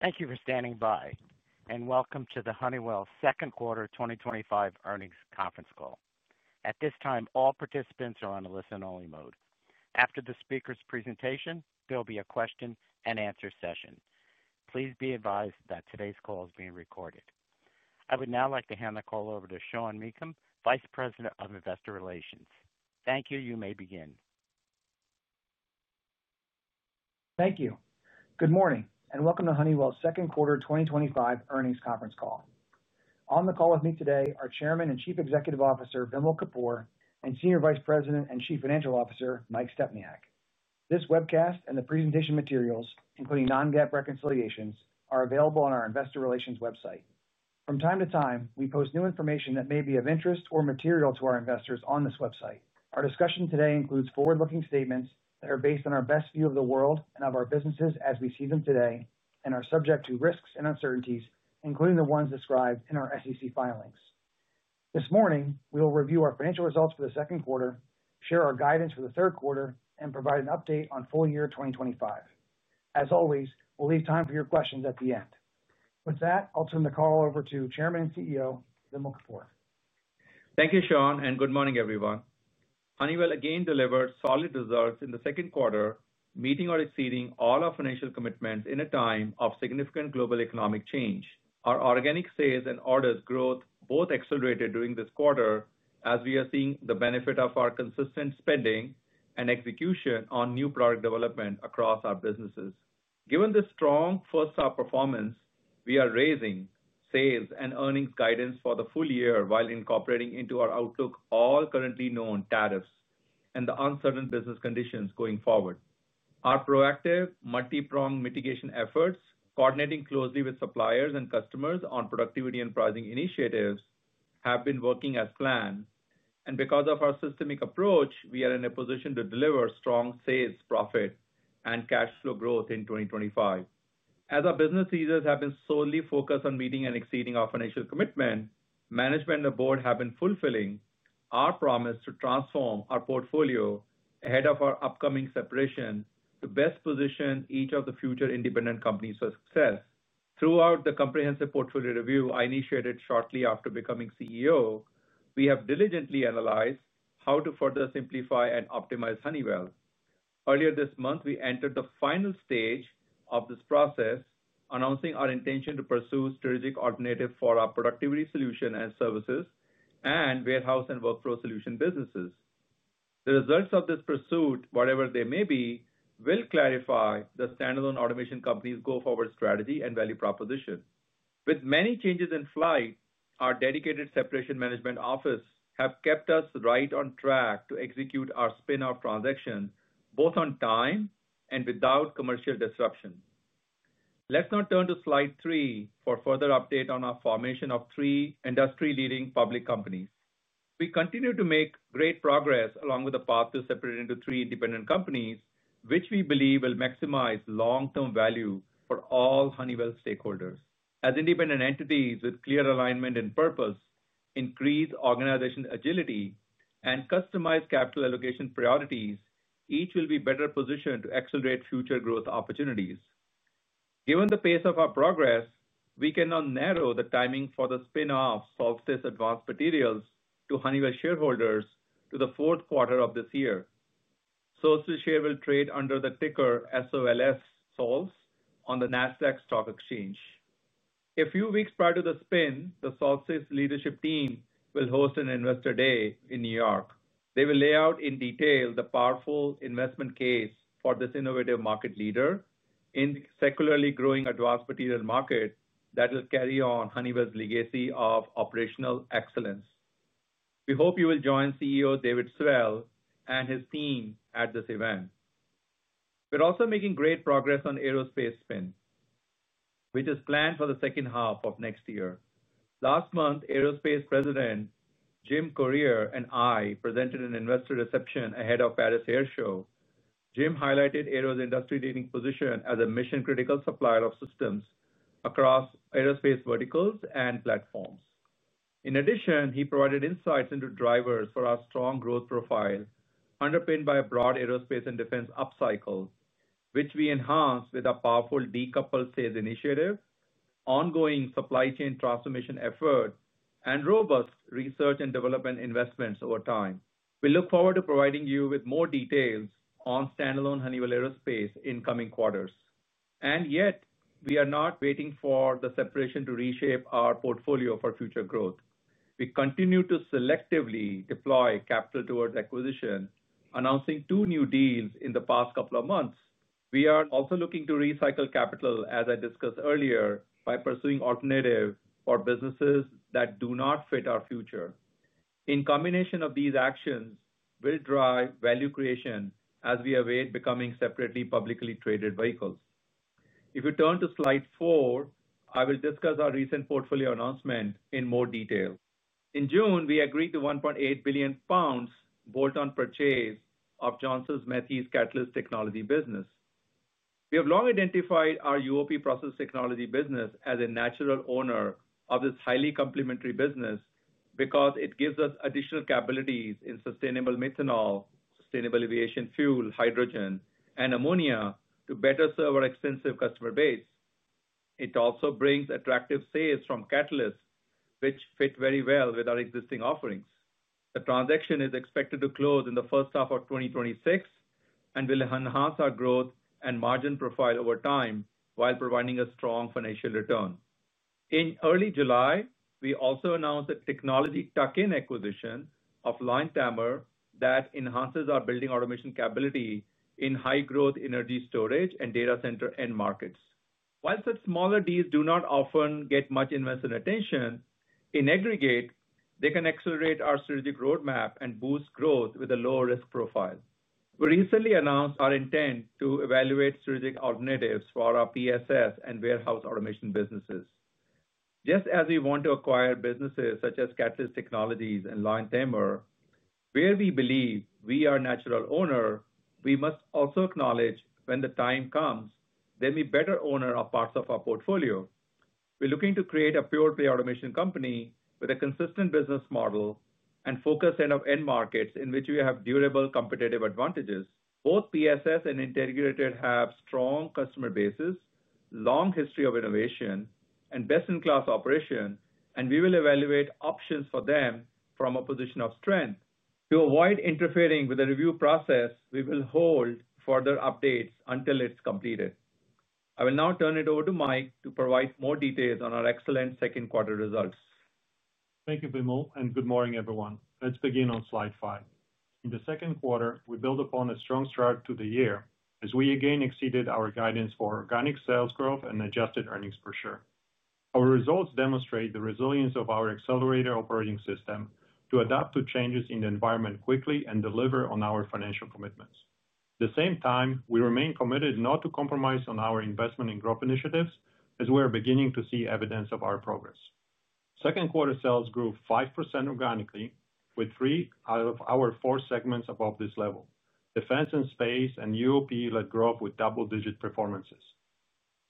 Thank you for standing by, and welcome to the Honeywell Second Quarter 2025 Earnings Conference Call. At this time, all participants are on a listen-only mode. After the speaker's presentation, there'll be a question-and-answer session. Please be advised that today's call is being recorded. I would now like to hand the call over to Sean Meakim, Vice President of Investor Relations. Thank you. You may begin. Thank you. Good morning, and welcome to Honeywell's Second Quarter 2025 Earnings Conference Call. On the call with me today are Chairman and Chief Executive Officer Vimal Kapur and Senior Vice President and Chief Financial Officer Mike Stepniak. This webcast and the presentation materials, including non-GAAP reconciliations, are available on our Investor Relations website. From time to time, we post new information that may be of interest or material to our investors on this website. Our discussion today includes forward-looking statements that are based on our best view of the world and of our businesses as we see them today, and are subject to risks and uncertainties, including the ones described in our SEC filings. This morning, we will review our financial results for the second quarter, share our guidance for the third quarter, and provide an update on full year 2025. As always, we'll leave time for your questions at the end. With that, I'll turn the call over to Chairman and CEO Vimal Kapur. Thank you, Sean, and good morning, everyone. Honeywell again delivered solid results in the second quarter, meeting or exceeding all our financial commitments in a time of significant global economic change. Our organic sales and orders growth both accelerated during this quarter, as we are seeing the benefit of our consistent spending and execution on new product development across our businesses. Given the strong first-star performance, we are raising sales and earnings guidance for the full year while incorporating into our outlook all currently known tariffs and the uncertain business conditions going forward. Our proactive multi-prong mitigation efforts, coordinating closely with suppliers and customers on productivity and pricing initiatives, have been working as planned, and because of our systemic approach, we are in a position to deliver strong sales, profit, and cash flow growth in 2025. As our business leaders have been solely focused on meeting and exceeding our financial commitment, management and the board have been fulfilling our promise to transform our portfolio ahead of our upcoming separation to best position each of the future independent companies for success. Throughout the comprehensive portfolio review I initiated shortly after becoming CEO, we have diligently analyzed how to further simplify and optimize Honeywell. Earlier this month, we entered the final stage of this process, announcing our intention to pursue strategic alternatives for our Productivity Solutions & Services and Warehouse & Workflow Solutions businesses. The results of this pursuit, whatever they may be, will clarify the standalone automation company's go-forward strategy and value proposition. With many changes in flight, our dedicated separation management office has kept us right on track to execute our spin-off transaction both on time and without commercial disruption. Let's now turn to slide three for further update on our formation of three industry-leading public companies. We continue to make great progress along with the path to separate into three independent companies, which we believe will maximize long-term value for all Honeywell stakeholders. As independent entities with clear alignment and purpose, increased organization agility, and customized capital allocation priorities, each will be better positioned to accelerate future growth opportunities. Given the pace of our progress, we can now narrow the timing for the spin-off Solstice Advanced Materials to Honeywell shareholders to the fourth quarter of this year. Solstice shares will trade under the ticker SOLS on the NASDAQ Stock Exchange. A few weeks prior to the spin, the Solstice leadership team will host an Investor Day in New York. They will lay out in detail the powerful investment case for this innovative market leader in the secularly growing advanced material market that will carry on Honeywell's legacy of operational excellence. We hope you will join CEO David Swell and his team at this event. We're also making great progress on Aerospace spin, which is planned for the second half of next year. Last month, Aerospace President Jim Currier and I presented an investor reception ahead of the Paris Air Show. Jim highlighted Aero's industry-leading position as a mission-critical supplier of systems across Aerospace verticals and platforms. In addition, he provided insights into drivers for our strong growth profile, underpinned by a broad Aerospace and defense upcycle, which we enhance with a powerful decoupled sales initiative, ongoing supply chain transformation effort, and robust research and development investments over time. We look forward to providing you with more details on standalone Honeywell Aerospace in coming quarters. Yet, we are not waiting for the separation to reshape our portfolio for future growth. We continue to selectively deploy capital towards acquisition, announcing two new deals in the past couple of months. We are also looking to recycle capital, as I discussed earlier, by pursuing alternatives for businesses that do not fit our future. In combination, these actions will drive value creation as we await becoming separately publicly traded vehicles. If you turn to slide four, I will discuss our recent portfolio announcement in more detail. In June, we agreed to 1.8 billion pounds bolt-on purchase of Johnson Matthey's Catalyst Technologies business. We have long identified our UOP process technology business as a natural owner of this highly complementary business because it gives us additional capabilities in sustainable methanol, sustainable aviation fuel, hydrogen, and ammonia to better serve our extensive customer base. It also brings attractive sales from catalysts, which fit very well with our existing offerings. The transaction is expected to close in the first half of 2026 and will enhance our growth and margin profile over time while providing a strong financial return. In early July, we also announced the technology tuck-in acquisition of Li-ion Tamer that enhances our building automation capability in high-growth energy storage and data center end markets. While such smaller deals do not often get much investor attention, in aggregate, they can accelerate our strategic roadmap and boost growth with a lower risk profile. We recently announced our intent to evaluate strategic alternatives for our PSS and warehouse automation businesses. Just as we want to acquire businesses such as Catalyst Technologies and Li-ion Tamer, where we believe we are a natural owner, we must also acknowledge when the time comes that we better own our parts of our portfolio. We are looking to create a pure-play automation company with a consistent business model and focus on end markets in which we have durable competitive advantages. Both PSS and Integrated have strong customer bases, a long history of innovation, and best-in-class operation, and we will evaluate options for them from a position of strength. To avoid interfering with the review process, we will hold further updates until it is completed. I will now turn it over to Mike to provide more details on our excellent second quarter results. Thank you, Vimal, and good morning, everyone. Let's begin on slide five. In the second quarter, we build upon a strong start to the year as we again exceeded our guidance for organic sales growth and adjusted earnings per share. Our results demonstrate the resilience of our accelerator operating system to adapt to changes in the environment quickly and deliver on our financial commitments. At the same time, we remain committed not to compromise on our investment and growth initiatives, as we are beginning to see evidence of our progress. Second quarter sales grew 5% organically, with three out of our four segments above this level. Defense and space and UOP led growth with double-digit performances.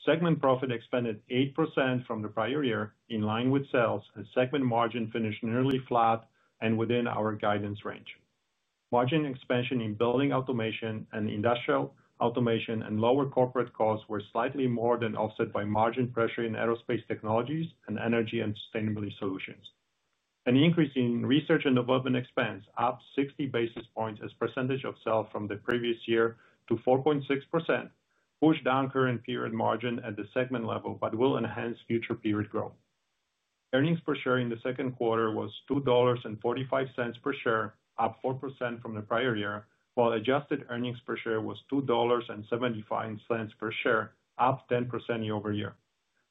Segment profit expanded 8% from the prior year, in line with sales, and segment margin finished nearly flat and within our guidance range. Margin expansion in building automation and industrial automation and lower corporate costs were slightly more than offset by margin pressure in Aerospace Technologies and Energy and sustainability solutions. An increase in research and development expense upped 60 basis points as a percentage of sales from the previous year to 4.6%, pushed down current period margin at the segment level, but will enhance future period growth. Earnings per share in the second quarter was $2.45 per share, up 4% from the prior year, while adjusted earnings per share was $2.75 per share, up 10% year over year.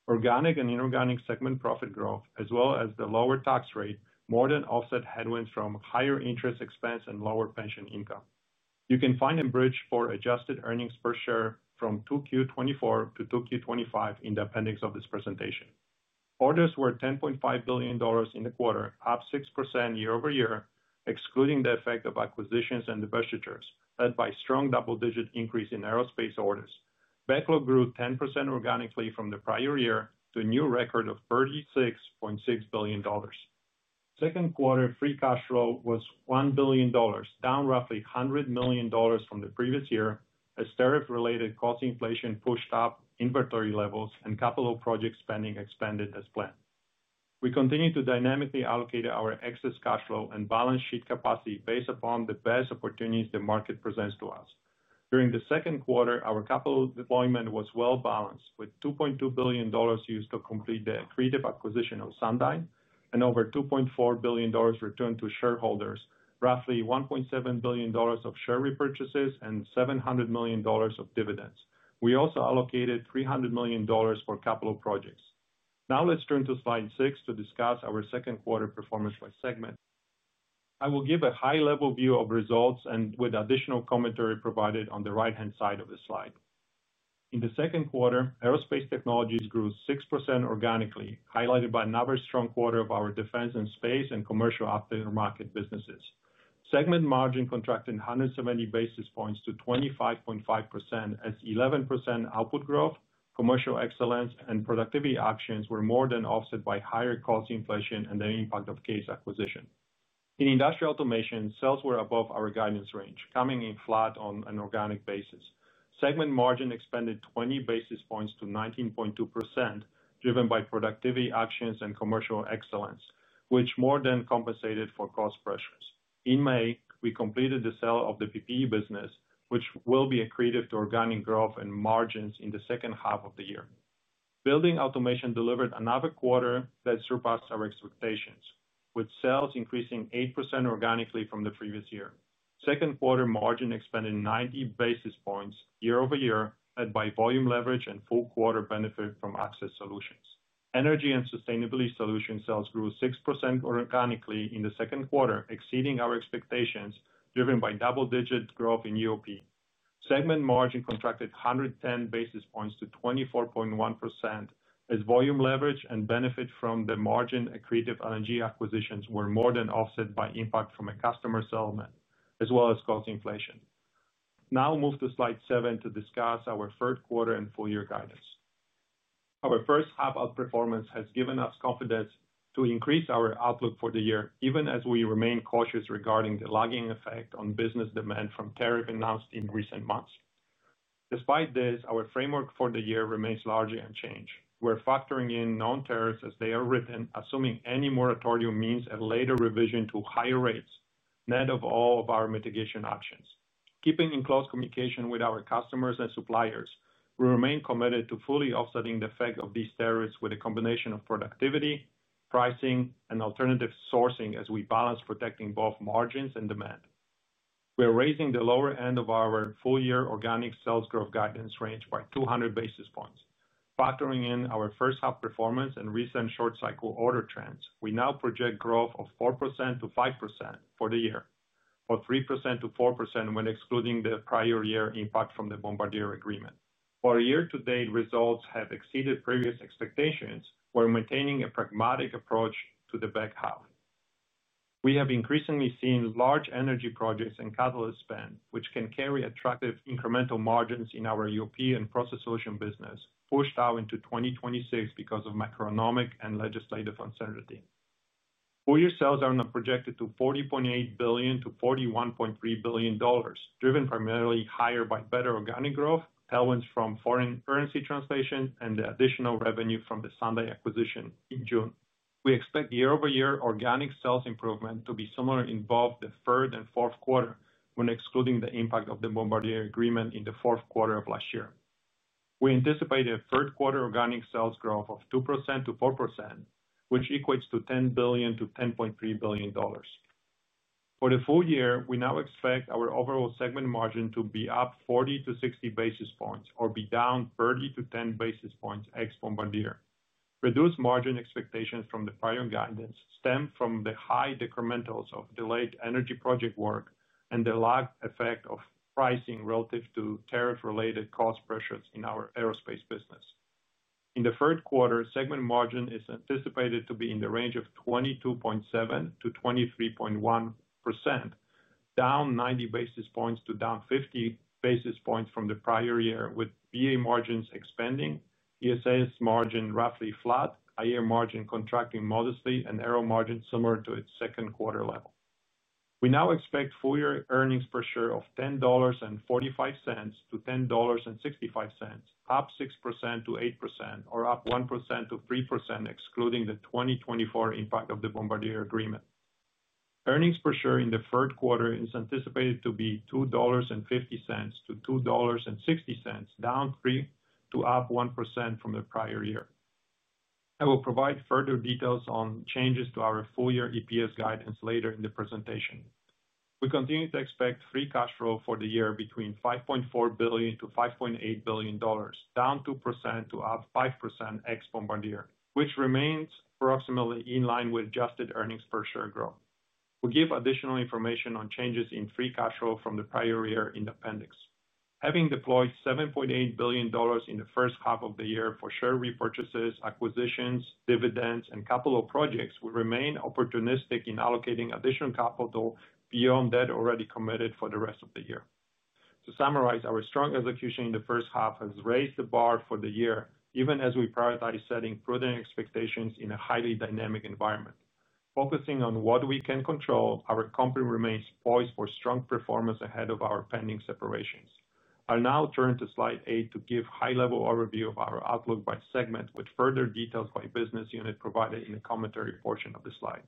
Organic and inorganic segment profit growth, as well as the lower tax rate, more than offset headwinds from higher interest expense and lower pension income. You can find a bridge for adjusted earnings per share from 2Q '24 to 2Q 25 in the appendix of this presentation. Orders were $10.5 billion in the quarter, up 6% year over year, excluding the effect of acquisitions and divestitures, led by a strong double-digit increase in aerospace orders. Backlog grew 10% organically from the prior year to a new record of $36.6 billion. Second quarter free cash flow was $1 billion, down roughly $100 million from the previous year as tariff-related cost inflation pushed up inventory levels and capital project spending expanded as planned. We continue to dynamically allocate our excess cash flow and balance sheet capacity based upon the best opportunities the market presents to us. During the second quarter, our capital deployment was well-balanced, with $2.2 billion used to complete the accretive acquisition of Sundyne and over $2.4 billion returned to shareholders, roughly $1.7 billion of share repurchases and $700 million of dividends. We also allocated $300 million for capital projects. Now let's turn to slide six to discuss our second quarter performance by segment. I will give a high-level view of results and with additional commentary provided on the right-hand side of the slide. In the second quarter, Aerospace Technologies grew 6% organically, highlighted by another strong quarter of our Defense and Space and Commercial Aftermarket businesses. Segment margin contracted 170 basis points to 25.5% as 11% output growth, commercial excellence, and productivity actions were more than offset by higher cost inflation and the impact of CAES acquisition. In Industrial Automation, sales were above our guidance range, coming in flat on an organic basis. Segment margin expanded 20 basis points to 19.2%, driven by productivity actions and commercial excellence, which more than compensated for cost pressures. In May, we completed the sale of the PPE business, which will be accretive to organic growth and margins in the second half of the year. Building automation delivered another quarter that surpassed our expectations, with sales increasing 8% organically from the previous year. Second quarter margin expanded 90 basis points year-over-year, led by volume leverage and full quarter benefit from access solutions. Energy and sustainability solution sales grew 6% organically in the second quarter, exceeding our expectations, driven by double-digit growth in UOP. Segment margin contracted 110 basis points to 24.1% as volume leverage and benefit from the margin-accretive LNG acquisitions were more than offset by impact from a customer settlement, as well as cost inflation. Now move to slide seven to discuss our third quarter and full year guidance. Our first half of performance has given us confidence to increase our outlook for the year, even as we remain cautious regarding the lagging effect on business demand from tariff announced in recent months. Despite this, our framework for the year remains largely unchanged. We're factoring in known tariffs as they are written, assuming any moratorium means a later revision to higher rates net of all of our mitigation actions. Keeping in close communication with our customers and suppliers, we remain committed to fully offsetting the effect of these tariffs with a combination of productivity, pricing, and alternative sourcing as we balance protecting both margins and demand. We're raising the lower end of our full year organic sales growth guidance range by 200 basis points. Factoring in our first half performance and recent short cycle order trends, we now project growth of 4%-5% for the year, or 3%-4% when excluding the prior year impact from the Bombardier agreement. For year-to-date, results have exceeded previous expectations. We're maintaining a pragmatic approach to the back half. We have increasingly seen large energy projects and catalyst spend, which can carry attractive incremental margins in our UOP and process solution business, pushed out into 2026 because of macroeconomic and legislative uncertainty. Full year sales are now projected to $40.8 billion-$41.3 billion, driven primarily higher by better organic growth, tailwinds from foreign currency translation, and the additional revenue from the Sundyne acquisition in June. We expect year-over-year organic sales improvement to be similar in both the third and fourth quarter, when excluding the impact of the Bombardier agreement in the fourth quarter of last year. We anticipate a third quarter organic sales growth of 2%-4%, which equates to $10 billion-$10.3 billion. For the full year, we now expect our overall segment margin to be up 40-60 basis points or be down 30-10 basis points ex-Bombardier. Reduced margin expectations from the prior guidance stem from the high decrementals of delayed energy project work and the lagged effect of pricing relative to tariff-related cost pressures in our aerospace business. In the third quarter, segment margin is anticipated to be in the range of 22.7%-23.1%. Down 90 basis points to down 50 basis points from the prior year, with VA margins expanding, ESS margin roughly flat, IA margin contracting modestly, and Aero margin similar to its second quarter level. We now expect full year earnings per share of $10.45-$10.65, up 6%-8%, or up 1%-3%, excluding the 2024 impact of the Bombardier agreement. Earnings per share in the third quarter is anticipated to be $2.50-$2.60, down 3% to up 1% from the prior year. I will provide further details on changes to our full year EPS guidance later in the presentation. We continue to expect free cash flow for the year between $5.4 billion-$5.8 billion, down 2% to up 5% ex-Bombardier, which remains approximately in line with adjusted earnings per share growth. We'll give additional information on changes in free cash flow from the prior year in the appendix. Having deployed $7.8 billion in the first half of the year for share repurchases, acquisitions, dividends, and capital projects, we remain opportunistic in allocating additional capital beyond that already committed for the rest of the year. To summarize, our strong execution in the first half has raised the bar for the year, even as we prioritize setting prudent expectations in a highly dynamic environment. Focusing on what we can control, our company remains poised for strong performance ahead of our pending separations. I'll now turn to slide eight to give a high-level overview of our outlook by segment, with further details by business unit provided in the commentary portion of the slide.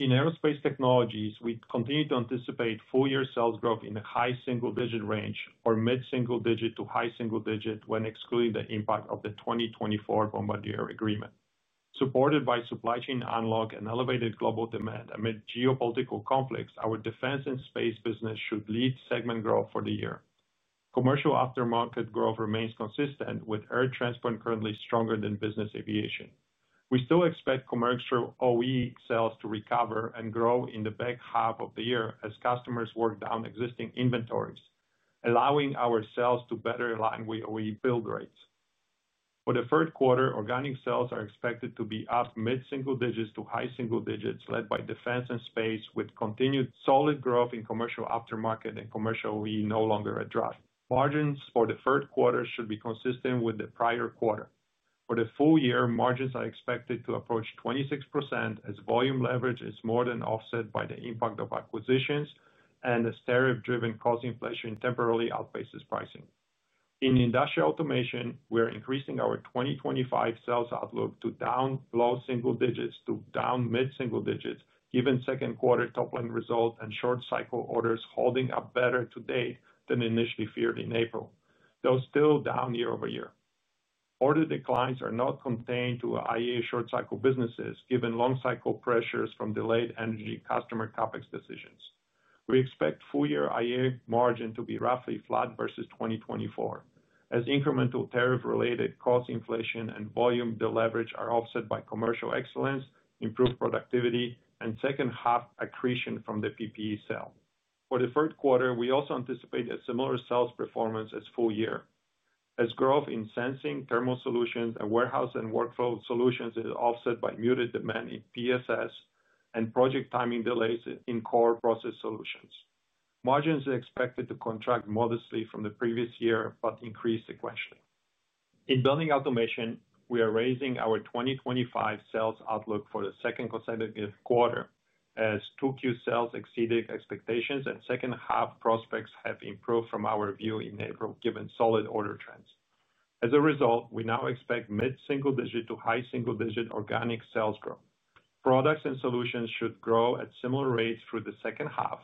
In Aerospace Technologies, we continue to anticipate full year sales growth in the high single-digit range or mid-single digit to high single digit when excluding the impact of the 2024 Bombardier agreement. Supported by supply chain analog and elevated global demand amid geopolitical conflicts, our defense and space business should lead segment growth for the year. Commercial aftermarket growth remains consistent, with air transport currently stronger than business aviation. We still expect commercial OE sales to recover and grow in the back half of the year as customers work down existing inventories, allowing our sales to better align with OE build rates. For the third quarter, organic sales are expected to be up mid-single digit to high single digits, led by defense and space, with continued solid growth in Commercial Aftermarket and Commercial OE no longer at draft. Margins for the third quarter should be consistent with the prior quarter. For the full year, margins are expected to approach 26% as volume leverage is more than offset by the impact of acquisitions and the tariff-driven cost inflation temporarily outpaces pricing. In industrial automation, we're increasing our 2025 sales outlook to down below single digits to down mid-single digits, given second quarter top-line results and short cycle orders holding up better to date than initially feared in April, though still down year-over-year. Order declines are not contained to IA short cycle businesses, given long cycle pressures from delayed energy customer CapEx decisions. We expect full year IA margin to be roughly flat versus 2024, as incremental tariff-related cost inflation and volume deleverage are offset by commercial excellence, improved productivity, and second half accretion from the PPE sale. For the third quarter, we also anticipate a similar sales performance as full year, as growth in sensing, thermal solutions, and warehouse and workflow solutions is offset by muted demand in PSS and project timing delays in core process solutions. Margins are expected to contract modestly from the previous year, but increase sequentially. In building automation, we are raising our 2025 sales outlook for the second consecutive quarter, as 2Q sales exceeded expectations and second half prospects have improved from our view in April, given solid order trends. As a result, we now expect mid-single digit to high single digit organic sales growth. Products and solutions should grow at similar rates through the second half,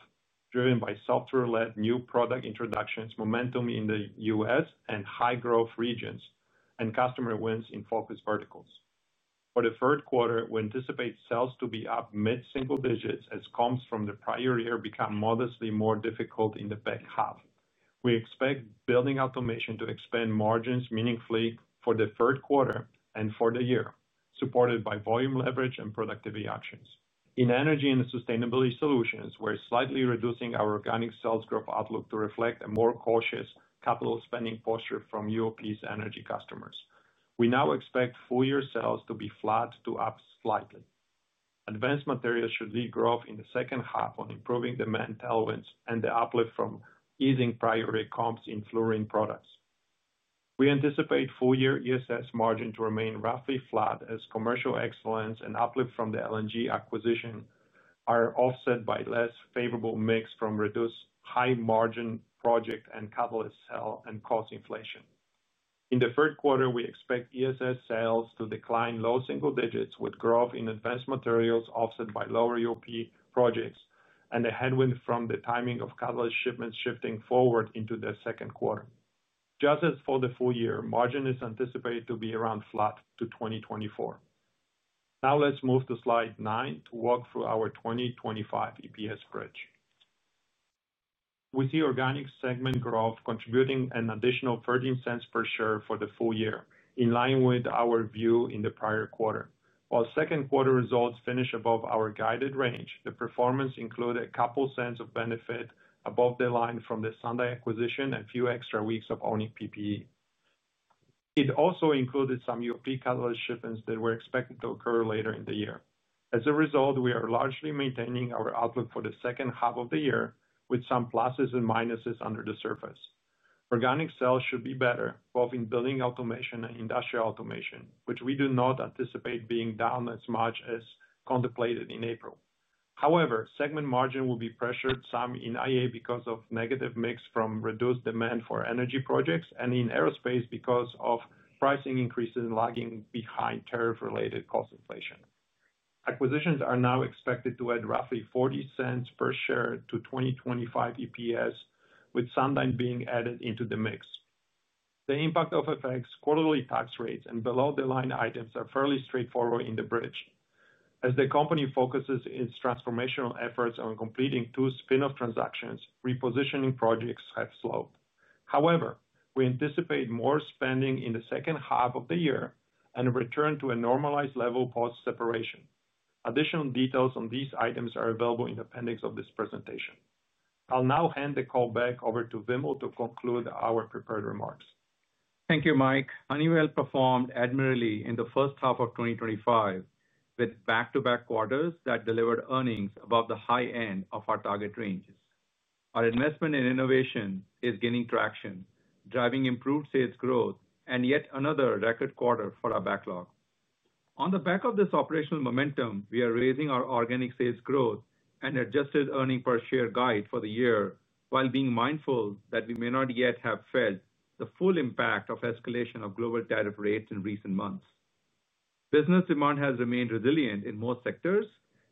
driven by software-led new product introductions, momentum in the US and high growth regions, and customer wins in focus verticals. For the third quarter, we anticipate sales to be up mid-single digits as comps from the prior year become modestly more difficult in the back half. We expect building automation to expand margins meaningfully for the third quarter and for the year, supported by volume leverage and productivity actions. In energy and sustainability solutions, we're slightly reducing our organic sales growth outlook to reflect a more cautious capital spending posture from UOP's energy customers. We now expect full year sales to be flat to up slightly. Advanced materials should lead growth in the second half on improving demand tailwinds and the uplift from easing priority comps in fluorine products. We anticipate full year ESS margin to remain roughly flat as commercial excellence and uplift from the LNG acquisition are offset by less favorable mix from reduced high margin project and catalyst sale and cost inflation. In the third quarter, we expect ESS sales to decline low single digits, with growth in advanced materials offset by lower UOP projects and a headwind from the timing of catalyst shipments shifting forward into the second quarter. Just as for the full year, margin is anticipated to be around flat to 2024. Now let's move to slide nine to walk through our 2025 EPS bridge. We see organic segment growth contributing an additional $0.13 per share for the full year, in line with our view in the prior quarter. While second quarter results finish above our guided range, the performance included a couple cents of benefit above the line from the Sundyne acquisition and a few extra weeks of owning PSS. It also included some UOP catalyst shipments that were expected to occur later in the year. As a result, we are largely maintaining our outlook for the second half of the year, with some pluses and minuses under the surface. Organic sales should be better, both in building automation and industrial automation, which we do not anticipate being down as much as contemplated in April. However, segment margin will be pressured some in IA because of negative mix from reduced demand for energy projects and in Aerospace because of pricing increases and lagging behind tariff-related cost inflation. Acquisitions are now expected to add roughly $0.40 per share to 2025 EPS, with Sundyne being added into the mix. The impact of FX, quarterly tax rates, and below-the-line items are fairly straightforward in the bridge. As the company focuses its transformational efforts on completing two spin-off transactions, repositioning projects have slowed. However, we anticipate more spending in the second half of the year and a return to a normalized level post-separation. Additional details on these items are available in the appendix of this presentation. I'll now hand the call back over to Vimal to conclude our prepared remarks. Thank you, Mike. Honeywell performed admirably in the first half of 2025, with back-to-back quarters that delivered earnings above the high end of our target ranges. Our investment in innovation is gaining traction, driving improved sales growth, and yet another record quarter for our backlog. On the back of this operational momentum, we are raising our organic sales growth and adjusted earnings per share guide for the year, while being mindful that we may not yet have felt the full impact of escalation of global tariff rates in recent months. Business demand has remained resilient in most sectors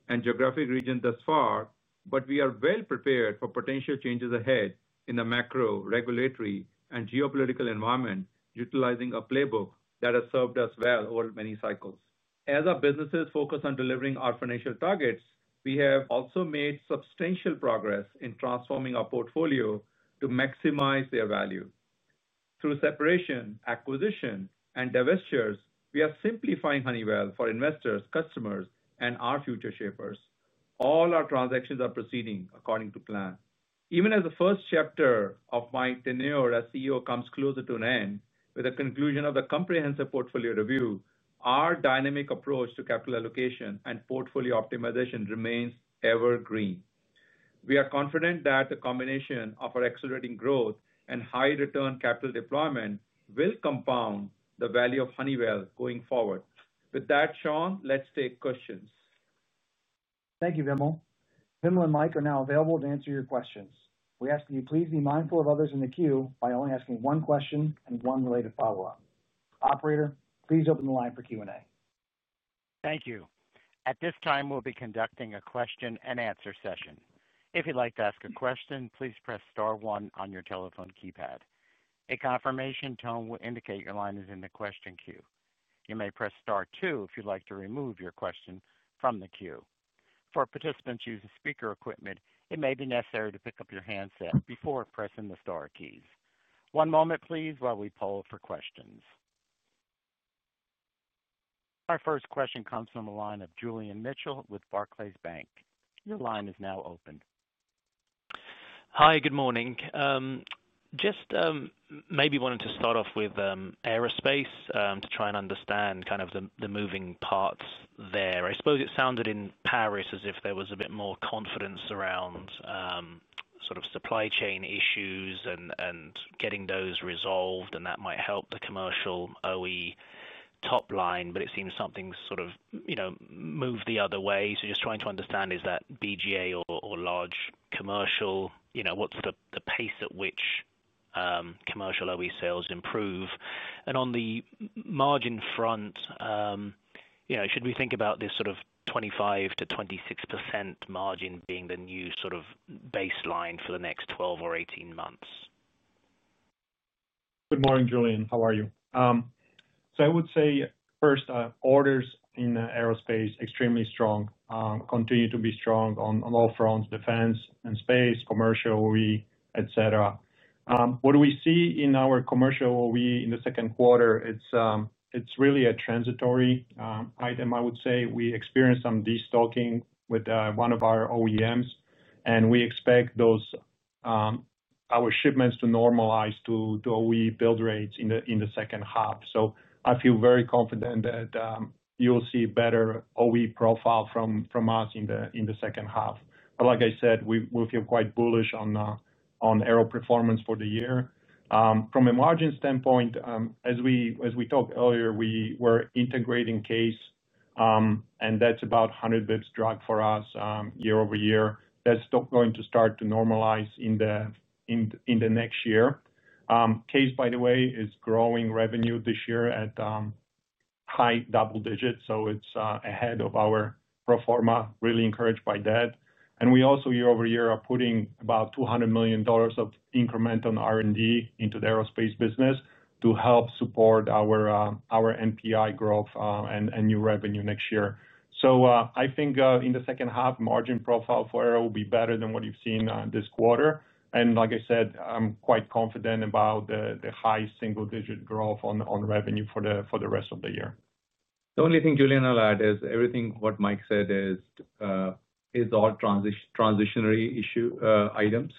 and geographic regions thus far, but we are well prepared for potential changes ahead in the macro, regulatory, and geopolitical environment, utilizing a playbook that has served us well over many cycles. As our businesses focus on delivering our financial targets, we have also made substantial progress in transforming our portfolio to maximize their value. Through separation, acquisition, and divestitures, we are simplifying Honeywell for investors, customers, and our future shapers. All our transactions are proceeding according to plan. Even as the first chapter of my tenure as CEO comes closer to an end, with the conclusion of the comprehensive portfolio review, our dynamic approach to capital allocation and portfolio optimization remains evergreen. We are confident that the combination of our accelerating growth and high-return capital deployment will compound the value of Honeywell going forward. With that, Sean, let's take questions. Thank you, Vimal. Vimal and Mike are now available to answer your questions. We ask that you please be mindful of others in the queue by only asking one question and one related follow-up. Operator, please open the line for Q&A. Thank you. At this time, we'll be conducting a question-and-answer session. If you'd like to ask a question, please press star one on your telephone keypad. A confirmation tone will indicate your line is in the question queue. You may press Star two if you'd like to remove your question from the queue. For participants using speaker equipment, it may be necessary to pick up your handset before pressing the Star keys. One moment, please, while we poll for questions. Our first question comes from the line of Julian Mitchell with Barclays. Your line is now open. Hi, good morning. Just maybe wanting to start off with Aerospace to try and understand kind of the moving parts there. I suppose it sounded in Paris as if there was a bit more confidence around sort of supply chain issues and getting those resolved, and that might help the commercial OE top line, but it seems something's sort of moved the other way. Just trying to understand, is that BGA or large commercial, what's the pace at which commercial OE sales improve? And on the margin front, should we think about this sort of 25%-26% margin being the new sort of baseline for the next 12 or 18 months? Good morning, Julian. How are you? I would say, first, orders in aerospace are extremely strong, continue to be strong on all fronts: defense and space, commercial OE, etc. What do we see in our commercial OE in the second quarter? It's really a transitory item, I would say. We experienced some destocking with one of our OEMs, and we expect our shipments to normalize to OE build rates in the second half. I feel very confident that you'll see a better OE profile from us in the second half. Like I said, we feel quite bullish on aero performance for the year. From a margin standpoint, as we talked earlier, we were integrating CAES. That's about 100 basis points drag for us year over year. That's going to start to normalize in the next year. C, by the way, is growing revenue this year at high double digits, so it's ahead of our pro forma, really encouraged by that. We also, year over year, are putting about $200 million of incremental R&D into the aerospace business to help support our NPI growth and new revenue next year. I think in the second half, margin profile for Aero will be better than what you've seen this quarter. Like I said, I'm quite confident about the high single-digit growth on revenue for the rest of the year. The only thing, Julian I'll add is everything what Mike said is all transitionary issue items.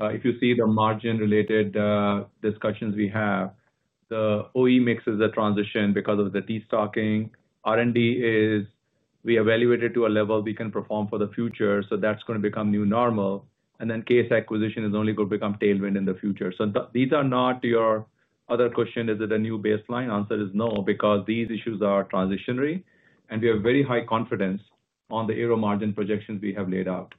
If you see the margin-related discussions we have, the OE mix is a transition because of the destocking. R&D is we evaluated to a level we can perform for the future, so that's going to become new normal. And then CA acquisition is only going to become tailwind in the future. These are not your other question, is it a new baseline? Answer is no, because these issues are transitionary, and we have very high confidence on the Aero margin projections we have laid out.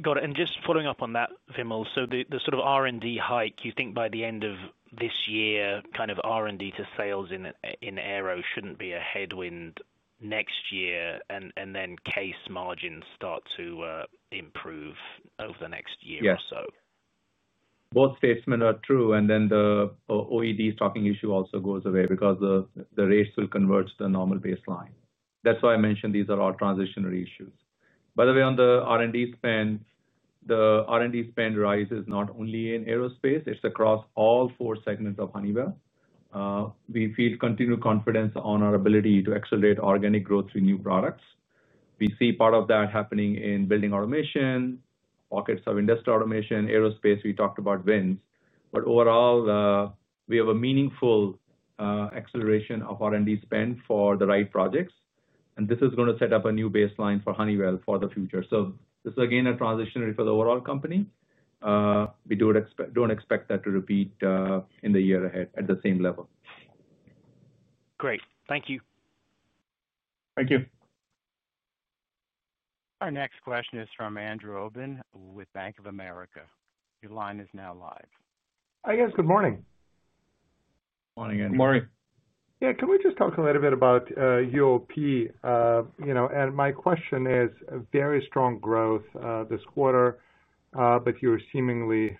Got it. Just following up on that, Vimal, the sort of R&D hike, you think by the end of this year, kind of R&D to sales in aero should not be a headwind next year, and then Case margins start to improve over the next year or so? Yes. Both states are true, and the OE destocking issue also goes away because the rate still converts to the normal baseline. That's why I mentioned these are all transitionary issues. By the way, on the R&D spend, the R&D spend rises not only in aerospace, it's across all four segments of Honeywell. We feel continued confidence on our ability to accelerate organic growth through new products. We see part of that happening in building automation, pockets of industrial automation, aerospace, we talked about winds. Overall, we have a meaningful acceleration of R&D spend for the right projects, and this is going to set up a new baseline for Honeywell for the future. This is, again, a transitionary for the overall company. We do not expect that to repeat in the year ahead at the same level. Great. Thank you. Thank you. Our next question is from Andrew Obin with Bank of America. Your line is now live. Hi, guys. Good morning. Morning, Andrew. Morning. Yeah. Can we just talk a little bit about UOP? My question is very strong growth this quarter, but you're seemingly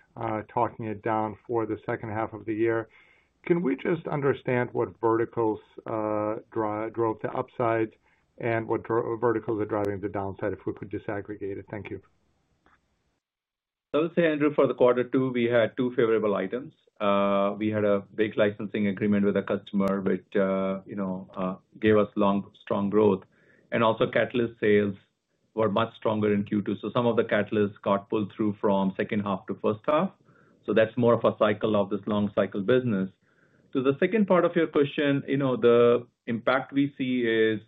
talking it down for the second half of the year. Can we just understand what verticals drove the upside and what verticals are driving the downside if we could disaggregate it? Thank you. I would say, Andrew, for the quarter two, we had two favorable items. We had a big licensing agreement with a customer which gave us strong growth. Also, catalyst sales were much stronger in Q2, so some of the catalysts got pulled through from second half to first half. That's more of a cycle of this long-cycle business. To the second part of your question, the impact we see is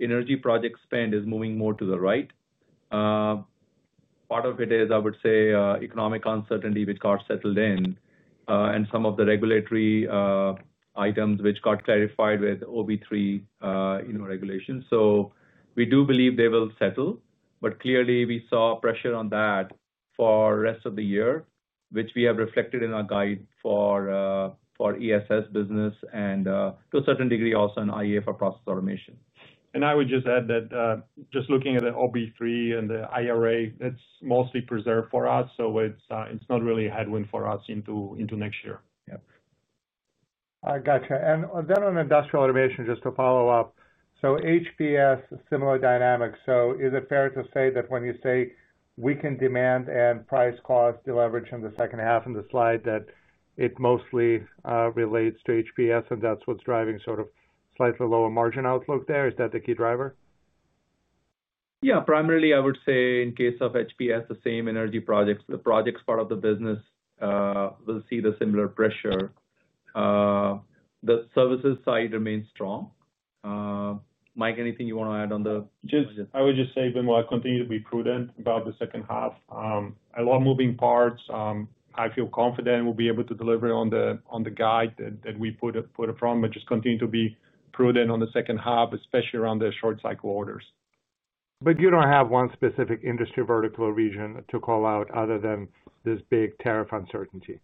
energy project spend is moving more to the right. Part of it is, I would say, economic uncertainty which got settled in. Some of the regulatory items which got clarified with OB3 regulation. We do believe they will settle, but clearly, we saw pressure on that for the rest of the year, which we have reflected in our guide for. ESS business and, to a certain degree, also in IA for process automation. I would just add that just looking at the OB3 and the IRA, it is mostly preserved for us, so it is not really a headwind for us into next year. Yep. I gotcha. On industrial automation, just to follow up, HPS, similar dynamic. Is it fair to say that when you say weakened demand and price cost, the leverage in the second half in the slide, that it mostly relates to HPS and that is what is driving sort of slightly lower margin outlook there? Is that the key driver? Yeah. Primarily, I would say in case of HPS, the same energy projects, the projects part of the business, will see the similar pressure. The services side remains strong. Mike, anything you want to add on the— I would just say, Vimal, continue to be prudent about the second half. A lot of moving parts. I feel confident we will be able to deliver on the guide that we put up front, but just continue to be prudent on the second half, especially around the short-cycle orders. You do not have one specific industry vertical region to call out other than this big tariff uncertainty.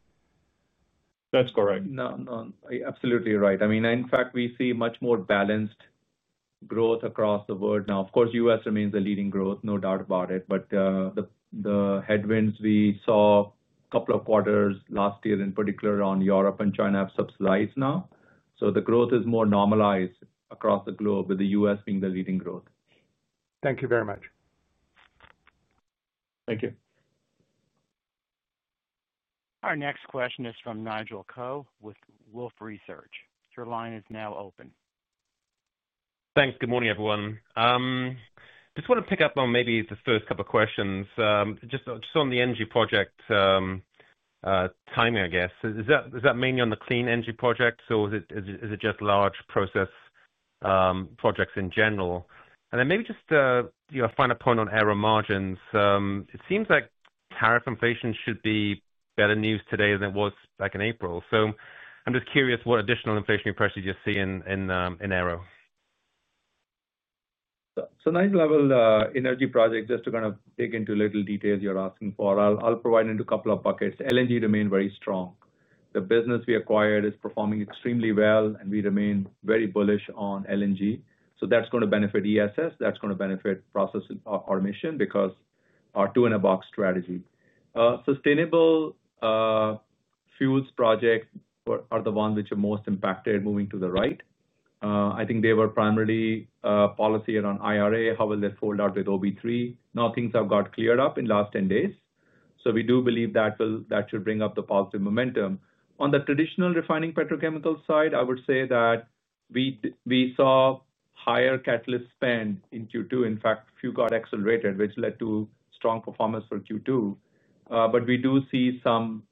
That is correct. No, no. Absolutely right. In fact, we see much more balanced growth across the world now. Of course, US remains the leading growth, no doubt about it, but the headwinds we saw a couple of quarters last year in particular on Europe and China have subsided now. The growth is more normalized across the globe, with the U.S. being the leading growth. Thank you very much. Thank you. Our next question is from Nigel Coe with Wolfe Research. Your line is now open. Thanks. Good morning, everyone. Just want to pick up on maybe the first couple of questions, just on the energy project. Timing, I guess. Does that mean you are on the clean energy project, or is it just large process projects in general? Maybe just a final point on aero margins. It seems like tariff inflation should be better news today than it was back in April. I am just curious, what additional inflationary pressure do you see in Aero? Nice level in energy project, just to kind of dig into little details you are asking for, I will provide into a couple of buckets. LNG remains very strong. The business we acquired is performing extremely well, and we remain very bullish on LNG. That is going to benefit ESS. That is going to benefit process automation because our two-in-a-box strategy. Sustainable fuels projects are the ones which are most impacted moving to the right. I think they were primarily policy around IRA. How will this fold out with OB3? Now things have got cleared up in the last 10 days. We do believe that should bring up the positive momentum. On the traditional refining petrochemical side, I would say that. We saw higher catalyst spend in Q2. In fact, few got accelerated, which led to strong performance for Q2. We do see some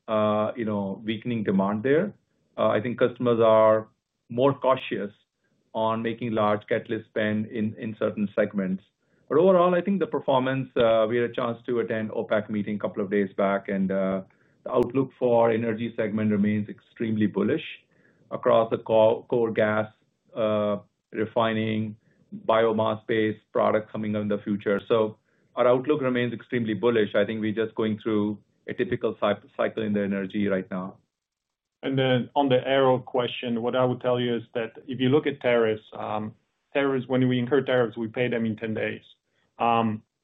weakening demand there. I think customers are more cautious on making large catalyst spend in certain segments. Overall, I think the performance—we had a chance to attend OPEC meeting a couple of days back—and the outlook for the energy segment remains extremely bullish across the coal, gas, refining, biomass-based products coming out in the future. Our outlook remains extremely bullish. I think we're just going through a typical cycle in the energy right now. On the Aero question, what I would tell you is that if you look at tariffs, when we incur tariffs, we pay them in 10 days.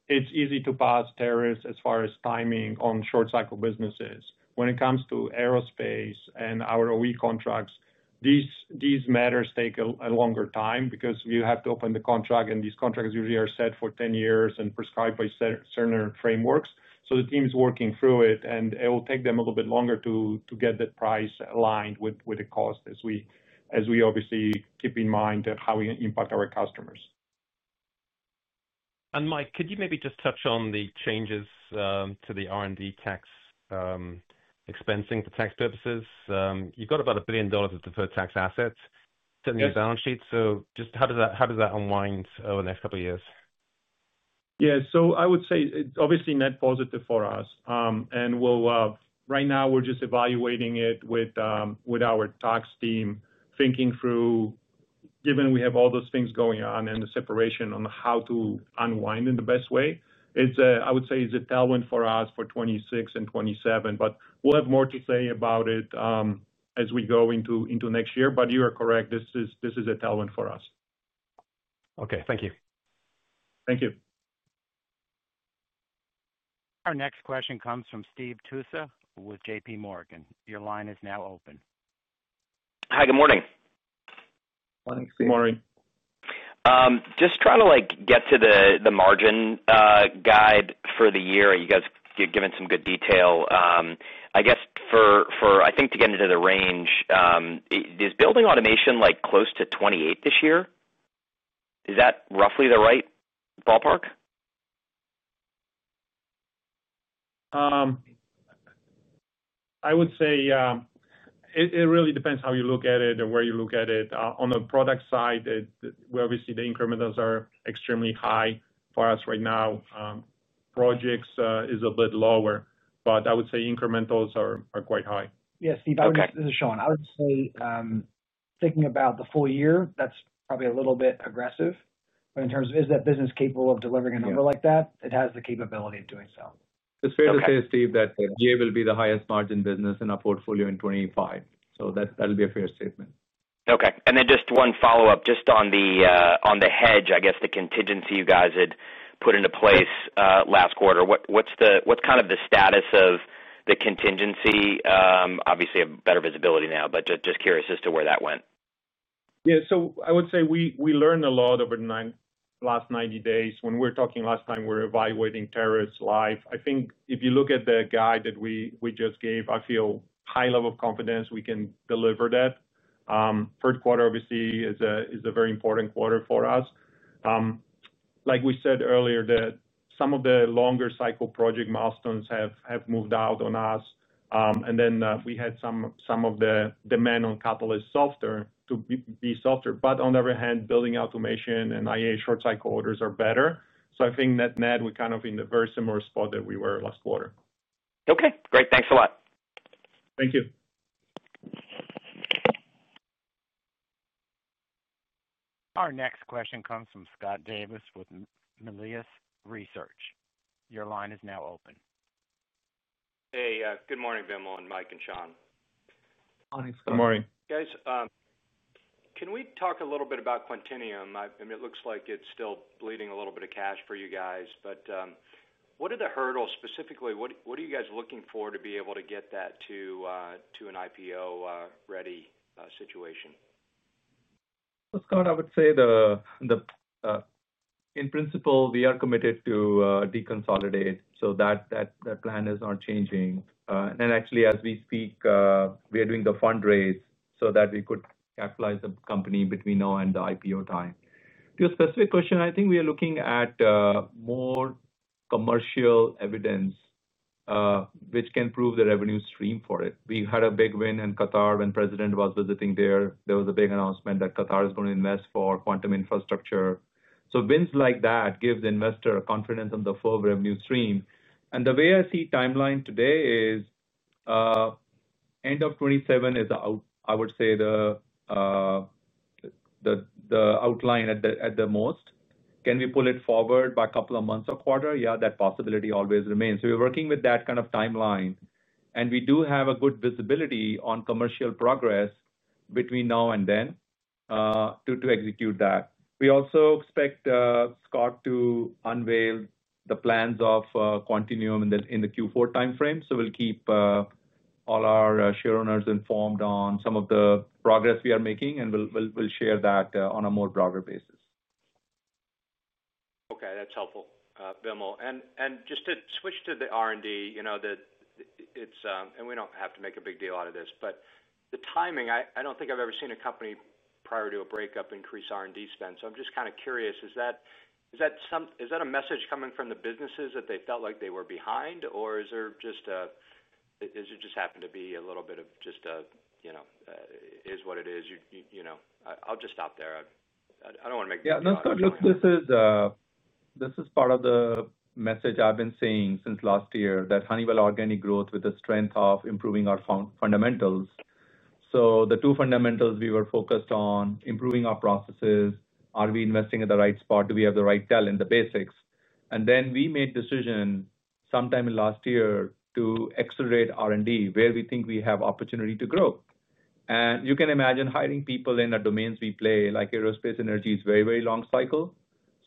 It's easy to pass tariffs as far as timing on short-cycle businesses. When it comes to aerospace and our OE contracts, these matters take a longer time because you have to open the contract, and these contracts usually are set for 10 years and prescribed by certain frameworks. The team is working through it, and it will take them a little bit longer to get that price aligned with the cost as we obviously keep in mind how we impact our customers. Mike, could you maybe just touch on the changes to the R&D tax expensing, the tax purposes? You've got about $1 billion of deferred tax assets in your balance sheet. How does that unwind over the next couple of years? Yeah. I would say, obviously, net positive for us. Right now, we're just evaluating it with our tax team, thinking through. Given we have all those things going on and the separation on how to unwind in the best way. I would say it's a tailwind for us for 2026 and 2027, but we'll have more to say about it as we go into next year. You are correct. This is a tailwind for us. Okay. Thank you. Thank you. Our next question comes from Steve Tusa with J.P. Morgan. Your line is now open. Hi. Good morning. Morning. Good morning. Just trying to get to the margin guide for the year. You guys gave us some good detail. I guess, I think, to get into the range. Is building automation close to 28 this year? Is that roughly the right ballpark? I would say it really depends how you look at it and where you look at it. On the product side, we obviously see the incrementals are extremely high for us right now. Projects is a bit lower, but I would say incrementals are quite high. Yeah. Steve, this is Sean. I would say, thinking about the full year, that's probably a little bit aggressive. In terms of, is that business capable of delivering a number like that? It has the capability of doing so. It's fair to say, Steve, that BA will be the highest margin business in our portfolio in '25. That'll be a fair statement. Okay. And then just one follow-up. Just on the hedge, I guess, the contingency you guys had put into place last quarter, what's kind of the status of the contingency? Obviously, better visibility now, but just curious as to where that went. Yeah. I would say we learned a lot over the last 90 days. When we were talking last time, we were evaluating tariffs live. I think if you look at the guide that we just gave, I feel high level of confidence we can deliver that. Third quarter, obviously, is a very important quarter for us. Like we said earlier, some of the longer-cycle project milestones have moved out on us. We had some of the demand on catalyst software to be softer. On the other hand, building automation and IA short-cycle orders are better. I think net-net, we're kind of in a very similar spot that we were last quarter. Okay. Great. Thanks a lot. Thank you. Our next question comes from Scott Davis with Melius Research. Your line is now open. Hey. Good morning, Vimal, and Mike and Sean. Morning. Good morning. Guys. Can we talk a little bit about Quintinium? I mean, it looks like it's still bleeding a little bit of cash for you guys. What are the hurdles specifically? What are you guys looking for to be able to get that to an IPO-ready situation? Let's start, I would say, in principle, we are committed to deconsolidate. That plan is not changing. Actually, as we speak, we are doing the fundraise so that we could capitalize the company between now and the IPO time. To your specific question, I think we are looking at more commercial evidence, which can prove the revenue stream for it. We had a big win in Qatar when the president was visiting there. There was a big announcement that Qatar is going to invest for quantum infrastructure. Wins like that give the investor confidence on the full revenue stream. The way I see timeline today is end of '27 is, I would say, the outline at the most. Can we pull it forward by a couple of months or a quarter? Yeah, that possibility always remains. We're working with that kind of timeline. We do have good visibility on commercial progress between now and then to execute that. We also expect, Scott, to unveil the plans of Quintinuum in the Q4 timeframe. We'll keep all our shareholders informed on some of the progress we are making, and we'll share that on a more broader basis. Okay. That's helpful, Vimal. Just to switch to the R&D, and we do not have to make a big deal out of this, but the timing, I do not think I have ever seen a company prior to a breakup increase R&D spend. I am just kind of curious, is that a message coming from the businesses that they felt like they were behind, or is there just a, is it just happened to be a little bit of just a, "is what it is?" I will just stop there. I do not want to make this a problem. Yeah. No, it is good. This is part of the message I have been seeing since last year, that Honeywell organic growth with the strength of improving our fundamentals. The two fundamentals we were focused on: improving our processes, are we investing at the right spot, do we have the right talent, the basics? Then we made a decision sometime in last year to accelerate R&D where we think we have opportunity to grow. You can imagine hiring people in the domains we play, like aerospace energy, is a very, very long cycle.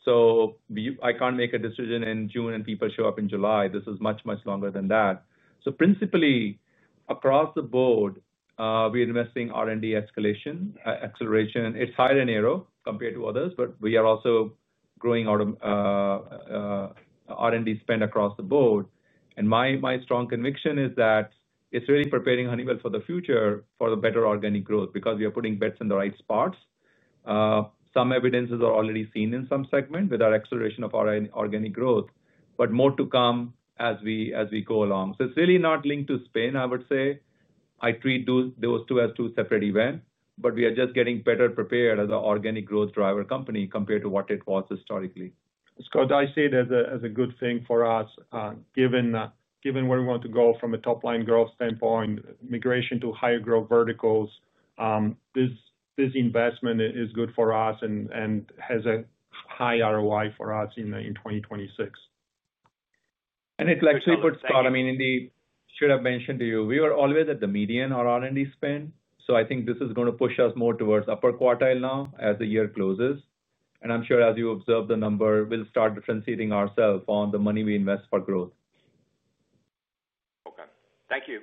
I cannot make a decision in June and people show up in July. This is much, much longer than that. Principally, across the board, we are investing R&D acceleration. It is higher in aero compared toY others, but we are also growing R&D spend across the board. My strong conviction is that it is really preparing Honeywell for the future for better organic growth because we are putting bets in the right spots. Some evidences are already seen in some segment with our acceleration of our organic growth, but more to come as we go along. It is really not linked to spin, I would say. I treat those two as two separate events, but we are just getting better prepared as an organic growth driver company compared to what it was historically. Scott, I see it as a good thing for us given where we want to go from a top-line growth standpoint, migration to higher growth verticals. This investment is good for us and has a high ROI for us in 2026. It is like triple, Scott. I mean, indeed, I should have mentioned to you, we were always at the median of R&D spend. I think this is going to push us more towards upper quartile now as the year closes. I am sure, as you observe the number, we will start differentiating ourselves on the money we invest for growth. Okay. Thank you.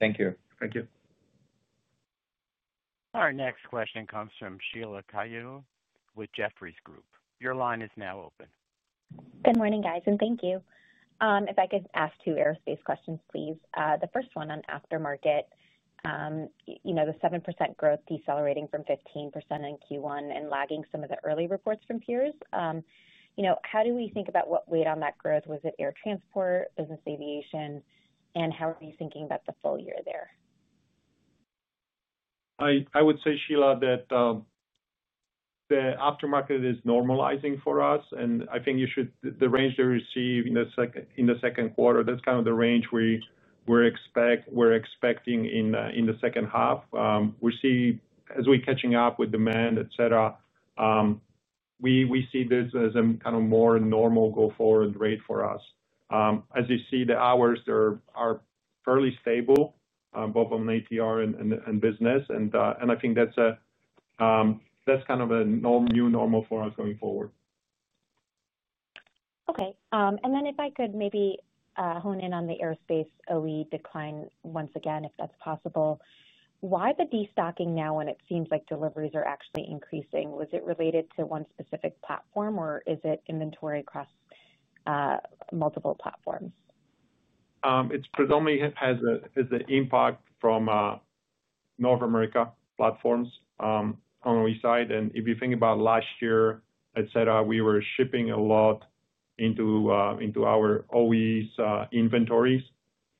Thank you. Thank you. Our next question comes from Sheila Kahyaoglu with Jefferies. Your line is now open. Good morning, guys, and thank you. If I could ask two Aerospace questions, please. The first one on aftermarket. The 7% growth decelerating from 15% in Q1 and lagging some of the early reports from peers. How do we think about what weighed on that growth? Was it air transport, business aviation, and how are you thinking about the full year there? I would say, Sheila, that the aftermarket is normalizing for us. And I think the range that we see in the second quarter, that's kind of the range we're expecting in the second half. We see, as we're catching up with demand, etc., we see this as a kind of more normal go-forward rate for us. As you see, the hours are fairly stable, both on ATR and business. And I think that's kind of a new normal for us going forward. Okay. And then if I could maybe hone in on the Aerospace OE decline once again, if that's possible. Why the destocking now when it seems like deliveries are actually increasing? Was it related to one specific platform, or is it inventory across multiple platforms? It predominantly has an impact from North America platforms on the OE side. And if you think about last year, etc., we were shipping a lot into our OEs inventories.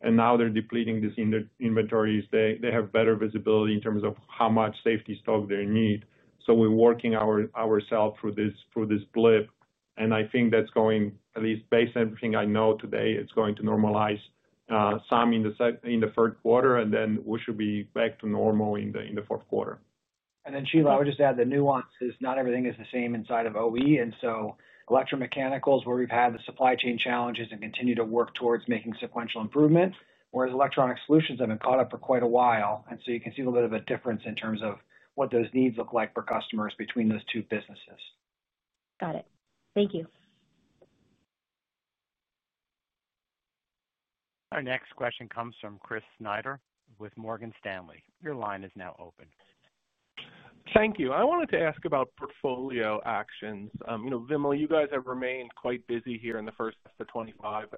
And now they're depleting these inventories. They have better visibility in terms of how much safety stock they need. So we're working ourselves through this blip. And I think that's going, at least based on everything I know today, it's going to normalize some in the third quarter, and then we should be back to normal in the fourth quarter. And then, Sheila, I would just add the nuances. Not everything is the same inside of OE. And so electromechanicals, where we've had the supply chain challenges and continue to work towards making sequential improvements, whereas electronic solutions have been caught up for quite a while. And so you can see a little bit of a difference in terms of what those needs look like for customers between those two businesses. Got it. Thank you. Our next question comes from Chris Snyder with Morgan Stanley. Your line is now open. Thank you. I wanted to ask about portfolio actions. Vimal, you guys have remained quite busy here in the first to '25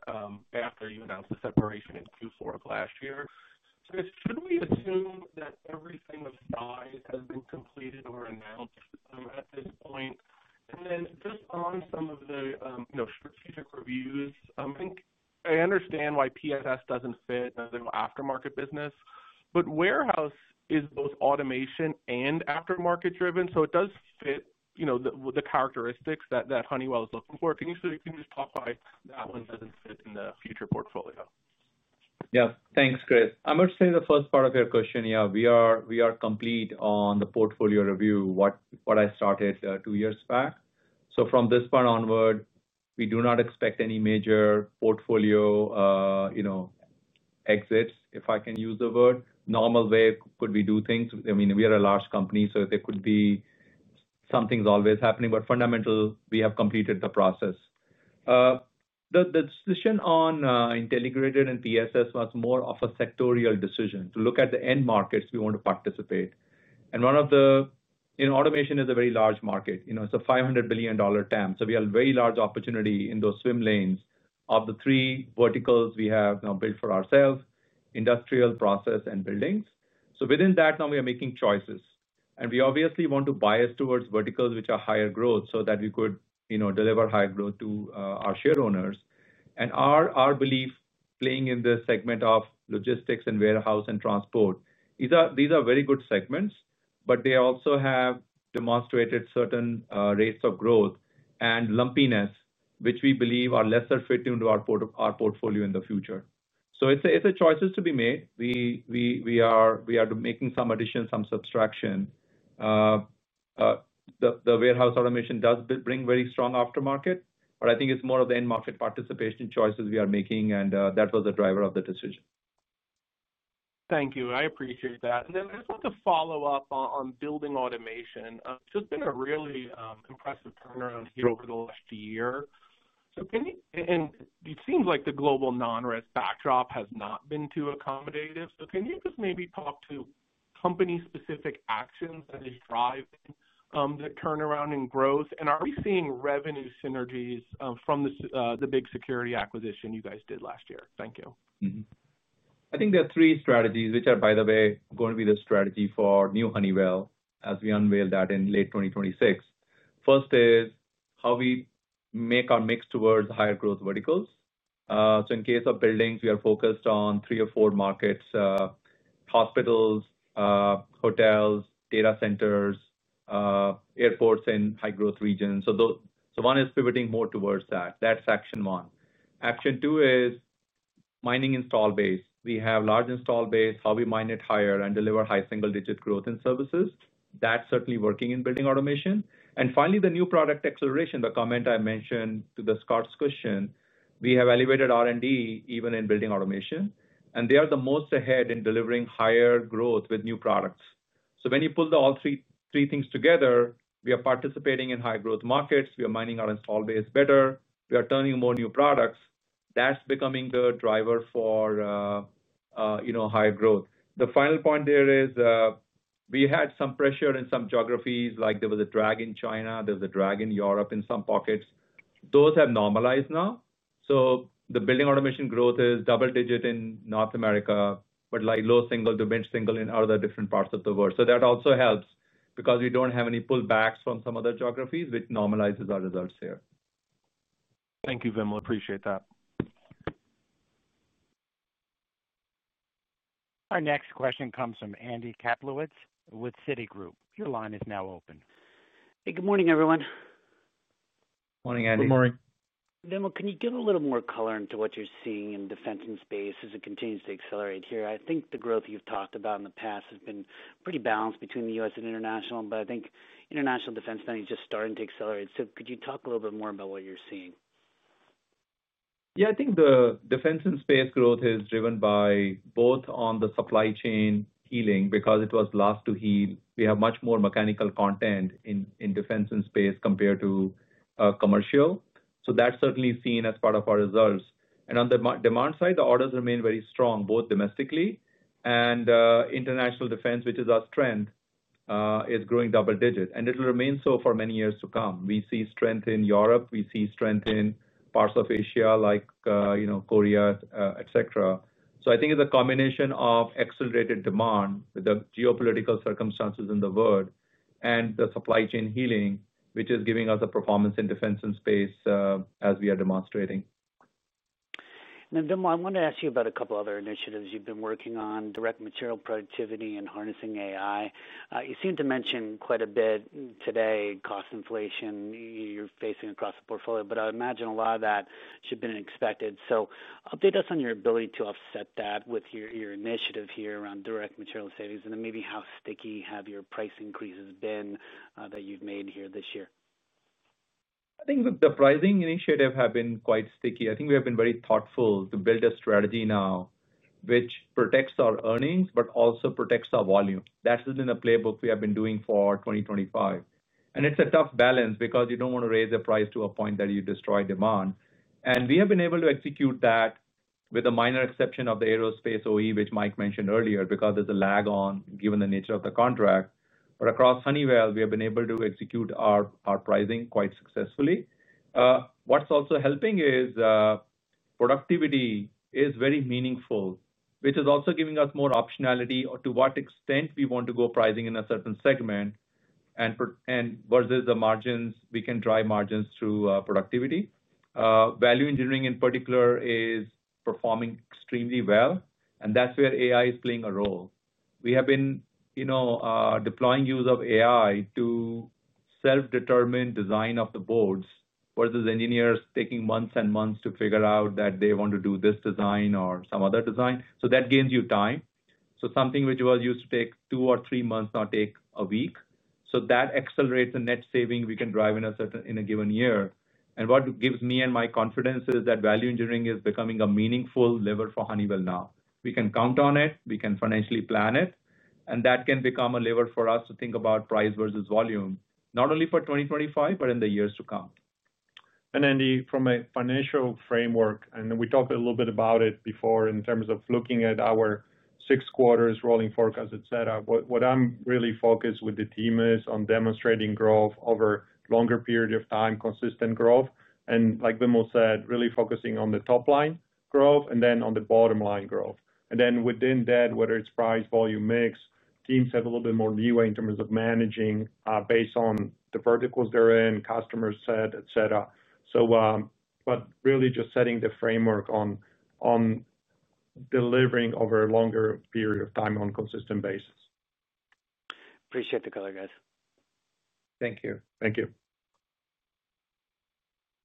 after you announced the separation in Q4 of last year. Should we assume that everything of size has been completed or announced at this point? And then just on some of the strategic reviews, I think I understand why PSS doesn't fit as an aftermarket business. But warehouse is both automation and aftermarket-driven. It does fit the characteristics that Honeywell is looking for. Can you just talk why that one doesn't fit in the future portfolio? Yeah. Thanks, Chris. I'm going to say the first part of your question, yeah, we are complete on the portfolio review, what I started two years back. From this point onward, we do not expect any major portfolio exits, if I can use the word. Normal way could we do things. I mean, we are a large company, so there could be something's always happening. But fundamentally, we have completed the process. The decision on integrated and PSS was more of a sectorial decision to look at the end markets we want to participate. Automation is a very large market. It's a $500 billion TAM. We have a very large opportunity in those swim lanes of the three verticals we have built for ourselves, industrial, process, and buildings. Within that, now we are making choices. We obviously want to bias towards verticals which are higher growth so that we could deliver higher growth to our shareholders. Our belief, playing in the segment of logistics and warehouse and transport, these are very good segments, but they also have demonstrated certain rates of growth and lumpiness, which we believe are lesser fitting to our portfolio in the future. It's a choice that's to be made. We are making some addition, some subtraction. The warehouse automation does bring very strong aftermarket, but I think it's more of the end market participation choices we are making, and that was the driver of the decision. Thank you. I appreciate that. I just want to follow up on building automation. It's just been a really impressive turnaround here over the last year. It seems like the global non-risk backdrop has not been too accommodative. Can you just maybe talk to company-specific actions that are driving the turnaround in growth? Are we seeing revenue synergies from the big security acquisition you guys did last year? Thank you. I think there are three strategies, which are, by the way, going to be the strategy for new Honeywell as we unveil that in late 2026. First is how we make our mix towards higher growth verticals. In case of buildings, we are focused on three or four markets. Hospitals. Hotels, data centers. Airports, and high-growth regions. One is pivoting more towards that. That's action one. Action two is mining install base. We have large install base. How we mine it higher and deliver high single-digit growth in services. That's certainly working in building automation. Finally, the new product acceleration, the comment I mentioned to the Scott's question, we have elevated R&D even in building automation. They are the most ahead in delivering higher growth with new products. When you pull all three things together, we are participating in high-growth markets. We are mining our install base better. We are turning more new products. That's becoming the driver for high growth. The final point there is we had some pressure in some geographies. Like there was a drag in China. There was a drag in Europe in some pockets. Those have normalized now. The building automation growth is double-digit in North America, but low single to mid-single in other different parts of the world. That also helps because we don't have any pullbacks from some other geographies, which normalizes our results here. Thank you, Vimal. Appreciate that. Our next question comes from Andy Kaplowitz with Citi. Your line is now open. Hey, good morning, everyone. Morning, Andy. Good morning. Vimal, can you give a little more color into what you're seeing in defense and space as it continues to accelerate here? I think the growth you've talked about in the past has been pretty balanced between the U.S. and international, but I think international defense spend is just starting to accelerate. Could you talk a little bit more about what you're seeing? Yeah, I think the defense and space growth is driven by both on the supply chain healing because it was last to heal. We have much more mechanical content in defense and space compared to commercial. That's certainly seen as part of our results. On the demand side, the orders remain very strong, both domestically and international defense, which is our strength, is growing double-digit. It will remain so for many years to come. We see strength in Europe. We see strength in parts of Asia like Korea, etc. I think it's a combination of accelerated demand with the geopolitical circumstances in the world and the supply chain healing, which is giving us a performance in defense and space as we are demonstrating. Vimal, I want to ask you about a couple of other initiatives you've been working on: direct material productivity and harnessing AI. You seem to mention quite a bit today, cost inflation you're facing across the portfolio, but I imagine a lot of that should have been expected. Update us on your ability to offset that with your initiative here around direct material savings and then maybe how sticky have your price increases been that you've made here this year? I think the pricing initiative has been quite sticky. I think we have been very thoughtful to build a strategy now which protects our earnings but also protects our volume. That has been the playbook we have been doing for 2025. It's a tough balance because you don't want to raise the price to a point that you destroy demand. We have been able to execute that with a minor exception of the aerospace OE, which Mike mentioned earlier, because there's a lag on given the nature of the contract. Across Honeywell, we have been able to execute our pricing quite successfully. What's also helping is productivity is very meaningful, which is also giving us more optionality to what extent we want to go pricing in a certain segment, and versus the margins, we can drive margins through productivity. Value engineering, in particular, is performing extremely well, and that's where AI is playing a role. We have been deploying use of AI to self-determine design of the boards versus engineers taking months and months to figure out that they want to do this design or some other design. That gains you time. Something which used to take two or three months now takes a week. That accelerates the net saving we can drive in a given year. What gives me and my confidence is that value engineering is becoming a meaningful lever for Honeywell now. We can count on it. We can financially plan it. That can become a lever for us to think about price versus volume, not only for 2025, but in the years to come. Andy, from a financial framework, and we talked a little bit about it before in terms of looking at our six quarters rolling forecast, what I am really focused with the team on is demonstrating growth over a longer period of time, consistent growth. Like Vimal said, really focusing on the top-line growth and then on the bottom-line growth. Within that, whether it is price, volume, mix, teams have a little bit more leeway in terms of managing based on the verticals they are in, customer set, etc. Really just setting the framework on delivering over a longer period of time on a consistent basis. Appreciate the call, guys. Thank you. Thank you.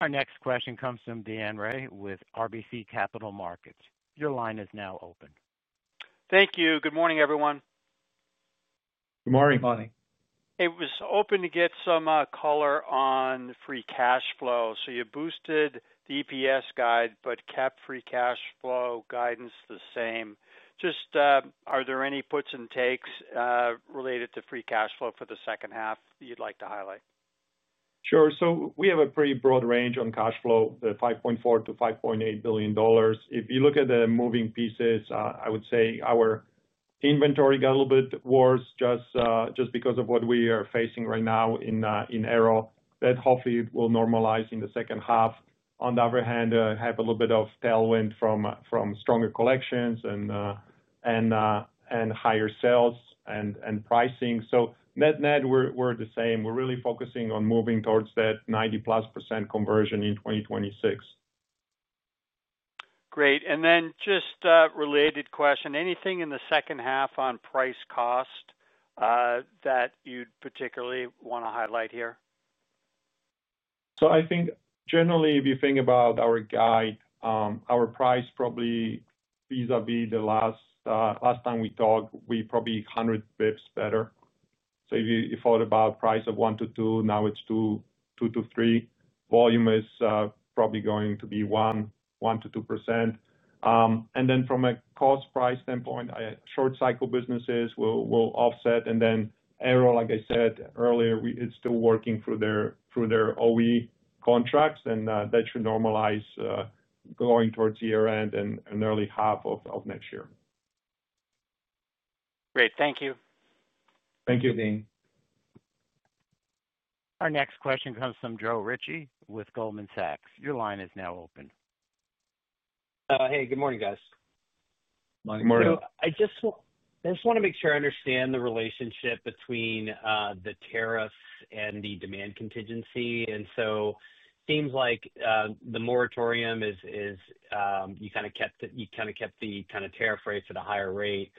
Our next question comes from Dan Ray with RBC Capital Market. Your line is now open. Thank you. Good morning, everyone. Good morning. Good morning. I was hoping to get some color on free cash flow. You boosted the EPS guide, but kept free cash flow guidance the same. Are there any puts and takes related to free cash flow for the second half that you would like to highlight? Sure. We have a pretty broad range on cash flow, the $5.4 billion-$5.8 billion. If you look at the moving pieces, I would say our inventory got a little bit worse just because of what we are facing right now in Aero. That hopefully will normalize in the second half. On the other hand, I have a little bit of tailwind from stronger collections and higher sales and pricing. Net net, we are the same. We are really focusing on moving towards that 90+% conversion in 2026. Great. Just a related question. Anything in the second half on price cost that you would particularly want to highlight here? I think generally, if you think about our guide, our price probably vis-à-vis the last time we talked, we are probably 100 basis points better. If you thought about price of 1%-2%, now it is 2%-3%. Volume is probably going to be 1%-2%. From a cost-price standpoint, short-cycle businesses will offset. Aero, like I said earlier, is still working through their OE contracts, and that should normalize going towards year-end and early half of next year. Great. Thank you. Thank you, Dean. Our next question comes from Joe Ritchie with Goldman Sachs. Your line is now open. Hey, good morning, guys. Good morning. I just want to make sure I understand the relationship between the tariffs and the demand contingency. It seems like the moratorium is, you kind of kept the kind of tariff rate to the higher rate.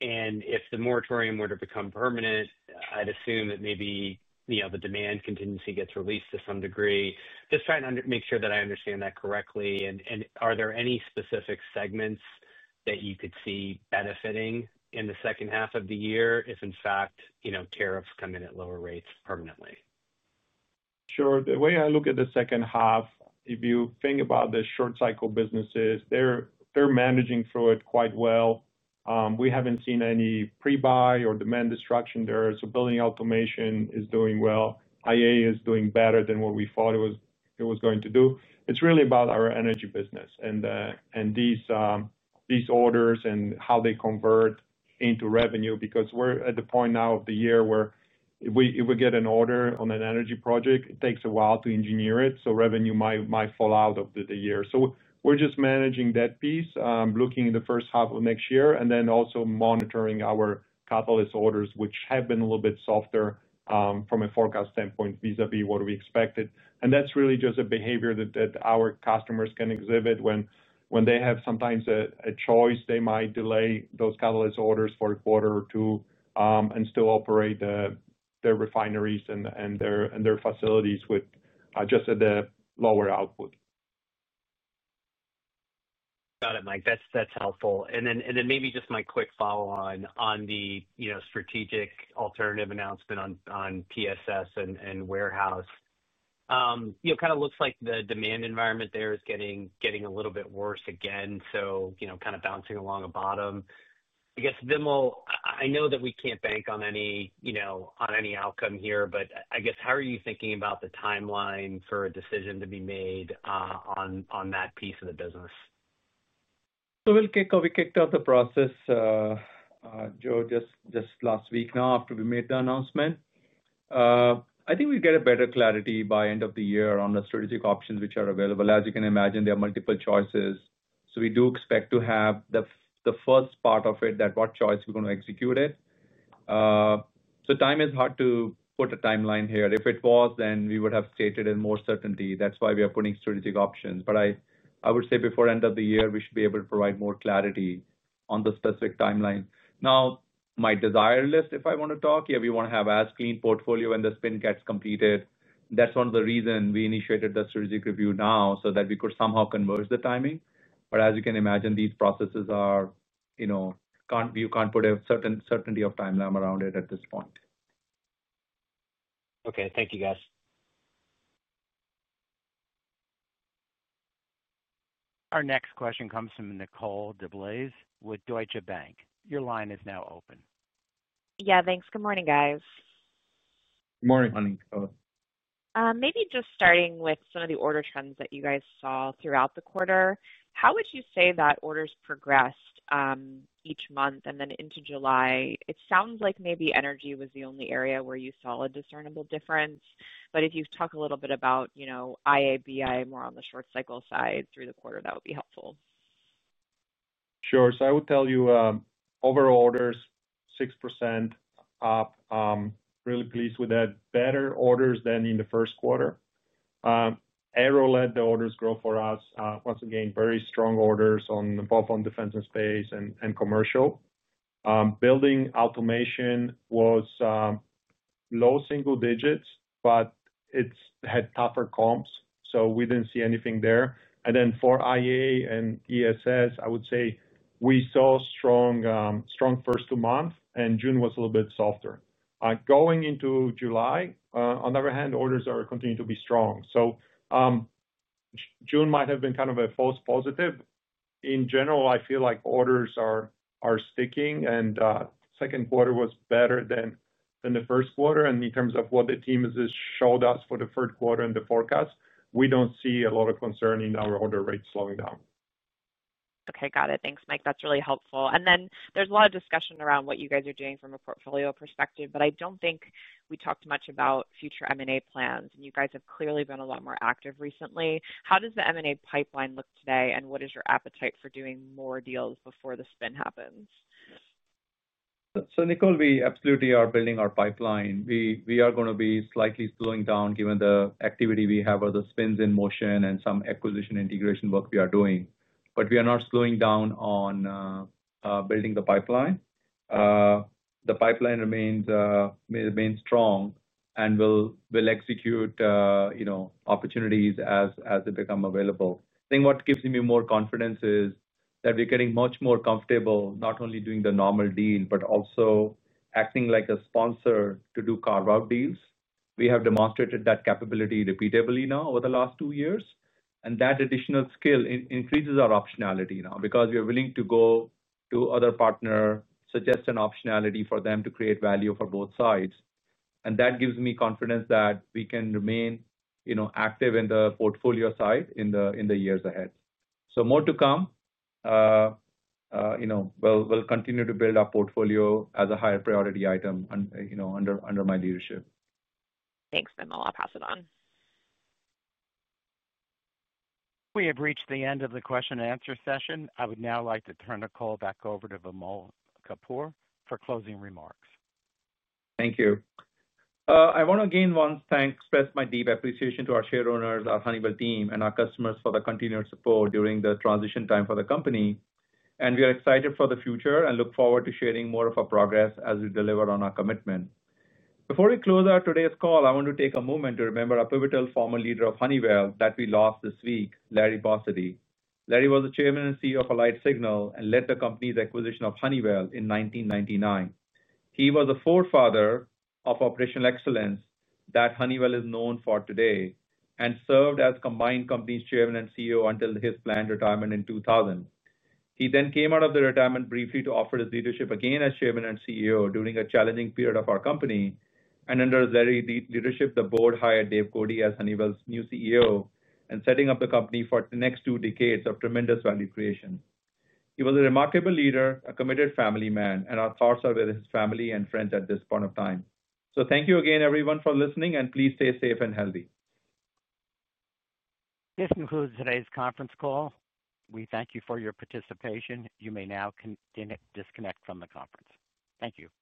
If the moratorium were to become permanent, I'd assume that maybe the demand contingency gets released to some degree. Just trying to make sure that I understand that correctly. Are there any specific segments that you could see benefiting in the second half of the year if, in fact, tariffs come in at lower rates permanently? Sure. The way I look at the second half, if you think about the short-cycle businesses, they're managing through it quite well. We haven't seen any pre-buy or demand destruction there. Building automation is doing well. IA is doing better than what we thought it was going to do. It's really about our energy business and these orders and how they convert into revenue because we're at the point now of the year where if we get an order on an energy project, it takes a while to engineer it. Revenue might fall out of the year. We're just managing that piece, looking in the first half of next year, and then also monitoring our catalyst orders, which have been a little bit softer from a forecast standpoint vis-à-vis what we expected. That's really just a behavior that our customers can exhibit when they have sometimes a choice. They might delay those catalyst orders for a quarter or two and still operate their refineries and their facilities with just a lower output. Got it, Mike. That's helpful. Maybe just my quick follow-on on the strategic alternative announcement on PSS and warehouse. It kind of looks like the demand environment there is getting a little bit worse again, so kind of bouncing along the bottom. I guess, Vimal, I know that we can't bank on any outcome here, but I guess how are you thinking about the timeline for a decision to be made on that piece of the business? We kicked off the process, Joe, just last week now after we made the announcement. I think we get a better clarity by end of the year on the strategic options which are available. As you can imagine, there are multiple choices. We do expect to have the first part of it, that what choice we're going to execute. Time is hard to put a timeline here. If it was, then we would have stated it more certainly. That's why we are putting strategic options. I would say before end of the year, we should be able to provide more clarity on the specific timeline. Now, my desire list, if I want to talk, yeah, we want to have as clean portfolio when the spin gets completed. That's one of the reasons we initiated the strategic review now so that we could somehow converse the timing. But as you can imagine, these processes are. You can't put a certain certainty of timeline around it at this point. Okay. Thank you, guys. Our next question comes from Nicole DeBlase with Deutsche Bank. Your line is now open. Yeah, thanks. Good morning, guys. Good morning. Good morning, Nicole. Maybe just starting with some of the order trends that you guys saw throughout the quarter, how would you say that orders progressed. Each month and then into July? It sounds like maybe energy was the only area where you saw a discernible difference. But if you talk a little bit about. IA, BA more on the short-cycle side through the quarter, that would be helpful. Sure. So I would tell you overall orders, 6% up. Really pleased with that. Better orders than in the first quarter. Arrow led the orders grow for us. Once again, very strong orders on both defense and space and commercial. Building automation was low single digits, but it had tougher comps. So we didn't see anything there. And then for IA and ESS, I would say we saw strong first two months, and June was a little bit softer. Going into July, on the other hand, orders are continuing to be strong. June might have been kind of a false positive. In general, I feel like orders are sticking, and second quarter was better than the first quarter. And in terms of what the team has showed us for the third quarter and the forecast, we don't see a lot of concern in our order rates slowing down. Okay. Got it. Thanks, Mike. That's really helpful. And then there's a lot of discussion around what you guys are doing from a portfolio perspective, but I don't think we talked much about future M&A plans, and you guys have clearly been a lot more active recently. How does the M&A pipeline look today, and what is your appetite for doing more deals before the spin happens? So Nicole, we absolutely are building our pipeline. We are going to be slightly slowing down given the activity we have with the spins in motion and some acquisition integration work we are doing. But we are not slowing down on building the pipeline. The pipeline remains strong and will execute opportunities as they become available. I think what gives me more confidence is that we're getting much more comfortable not only doing the normal deal, but also acting like a sponsor to do carve-out deals. We have demonstrated that capability repeatably now over the last two years. And that additional skill increases our optionality now because we are willing to go to other partners, suggest an optionality for them to create value for both sides. And that gives me confidence that we can remain active in the portfolio side in the years ahead. More to come. We'll continue to build our portfolio as a higher priority item under my leadership. Thanks, Vimal. I'll pass it on. We have reached the end of the question-and-answer session. I would now like to turn the call back over to Vimal Kapur for closing remarks. Thank you. I want to again once thanks express my deep appreciation to our share owners, our Honeywell team, and our customers for the continued support during the transition time for the company. We are excited for the future and look forward to sharing more of our progress as we deliver on our commitment. Before we close out today's call, I want to take a moment to remember a pivotal former leader of Honeywell that we lost this week, Larry Bossidy. Larry was the Chairman and CEO of AlliedSignal and led the company's acquisition of Honeywell in 1999. He was a forefather of operational excellence that Honeywell is known for today and served as the combined company's Chairman and CEO until his planned retirement in 2000. He then came out of retirement briefly to offer his leadership again as Chairman and CEO during a challenging period of our company. Under Larry's leadership, the board hired Dave Cote as Honeywell's new CEO, setting up the company for the next two decades of tremendous value creation. He was a remarkable leader, a committed family man, and our thoughts are with his family and friends at this point of time. Thank you again, everyone, for listening, and please stay safe and healthy. This concludes today's conference call. We thank you for your participation. You may now disconnect from the conference. Thank you.